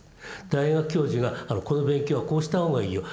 大学教授がこの勉強はこうしたほうがいいよ。